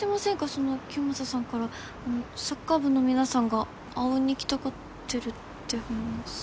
その清正さんからサッカー部の皆さんが阿吽に来たがってるって話。